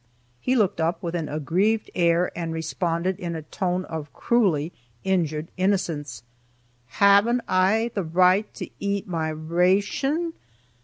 He looked up with an aggrieved air and responded in a tone of cruelly injured innocence, "Haven't I the right to eat my r a a tion?"